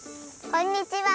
こんにちは！